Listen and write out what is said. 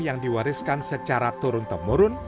yang diwariskan secara turun temurun